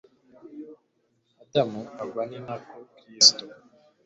Adamu agwa ni nako Kristo